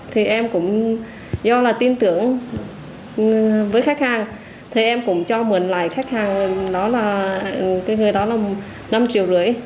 thì em cũng do là tin tưởng với khách hàng thì em cũng cho mượn lại khách hàng đó là cái người đó là năm triệu rưỡi